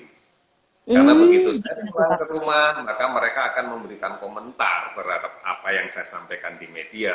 karena begitu saya pulang ke rumah mereka akan memberikan komentar berhadap apa yang saya sampaikan di media